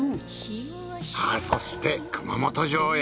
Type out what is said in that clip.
そして熊本城へ。